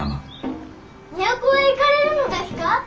都へ行かれるのですか？